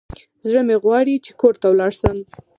زړه مي غواړي چي کور ته ولاړ سم.